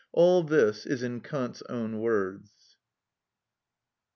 All this is in Kant's own words.